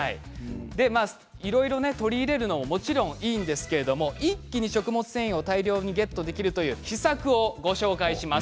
いろいろ、とり入れるのももちろんいいんですけど一気に食物繊維を大量にゲットできるという秘策をご紹介します。